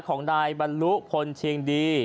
ของนายบรรลุพลเชียงดี